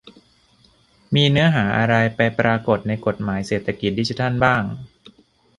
มีเนื้อหาอะไรไปปรากฏในกฎหมาย "เศรษฐกิจดิจิทัล" บ้าง ?